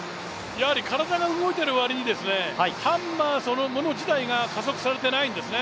体が動いているわりにハンマーそのもの自体が加速されてないんですね。